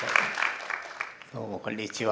どうもこんにちは。